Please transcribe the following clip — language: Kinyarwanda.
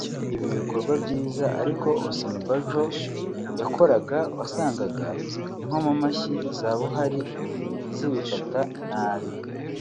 Ibi bikorwa byiza ariko Osinibajo yakoraga wasangaga inkomamashyi za Buhari zibifata nabi